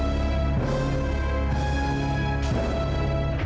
untuk tentang perb flap biar mana